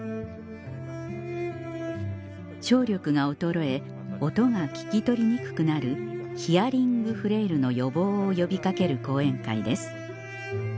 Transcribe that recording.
聴力が衰え音が聞き取りにくくなるヒアリングフレイルの予防を呼び掛ける講演会です